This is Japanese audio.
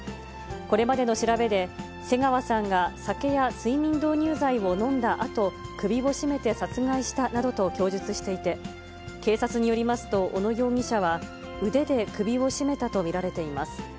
これまでの調べで、瀬川さんが酒や睡眠導入剤を飲んだあと、首を絞めて殺害したなどと供述していて、警察によりますと、小野容疑者は、腕で首を絞めたと見られています。